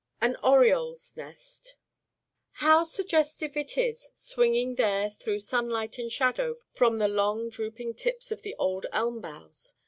How suggestive it is, swinging there through sunlight and shadow from the long drooping tips of the old elm boughs!